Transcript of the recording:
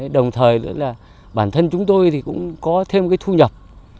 đồng thời bản thân chúng tôi cũng có thêm thu nhập